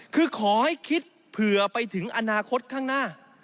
คือขอให้คิดเผื่อไปถึงอนาคตข้างหน้า